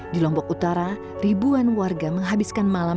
di lombok utara ribuan warga menghabiskan malam